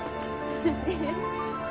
フフフ。